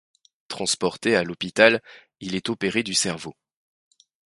Transporté à l'hôpital, il est opéré du cerveau.